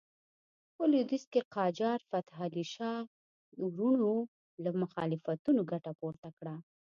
په لوېدیځ کې قاجار فتح علي شاه د وروڼو له مخالفتونو ګټه پورته کړه.